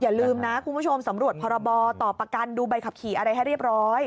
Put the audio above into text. อย่าลืมนะคุณผู้ชมสำรวจพรบต่อประกันดูใบขับขี่อะไรให้เรียบร้อย